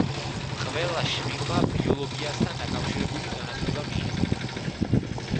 ყველა შვილმა ბიოლოგიასთან დაკავშირებული განათლება მიიღო.